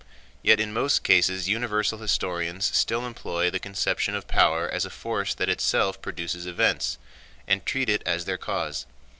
Yet in most cases universal historians still employ the conception of power as a force that itself produces events, and treat it as their cause.